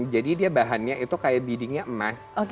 jadi dia bahannya itu kayak bidingnya emas